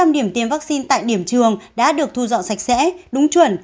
bốn trăm linh điểm tiêm vaccine tại điểm trường đã được thu dọn sạch sẽ đúng chuẩn